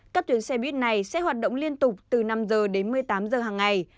các tuyến xe buýt này sẽ hoạt động liên tục từ năm h đến một mươi tám giờ hàng ngày